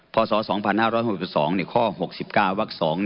พศ๒๕๖๒ข้อ๖๙วัก๒